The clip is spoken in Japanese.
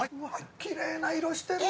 きれいな色してる！